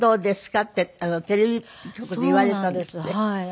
ってテレビ局で言われたんですって？